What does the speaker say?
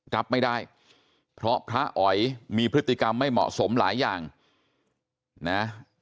รับไม่ได้เพราะพระอ๋อยมีพฤติกรรมไม่เหมาะสมหลายอย่างนะ